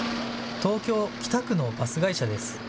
東京・北区のバス会社です。